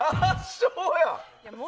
圧勝や！